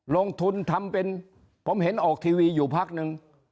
ลงทุนทำเป็นผมเห็นออกทีวีอยู่พักนึง